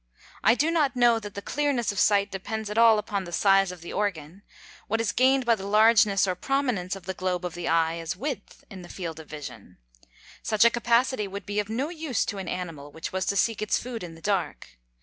I do not know that the clearness of sight depends at all upon the size of the organ. What is gained by the largeness or prominence of the globe of the eye, is width in the field of vision. Such a capacity would be of no use to an animal which was to seek its food in the dark.